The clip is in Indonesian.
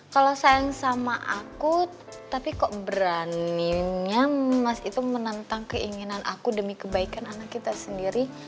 kalau sayang sama aku tapi kok beraninya mas itu menentang keinginan aku demi kebaikan anak kita sendiri